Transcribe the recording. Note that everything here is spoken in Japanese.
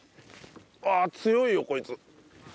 ああ強いよこいつ。